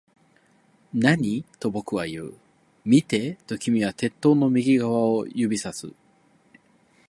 何？と僕は言う。見て、と君は鉄塔の右側を指差す